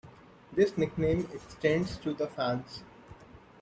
This nickname extends to the fans.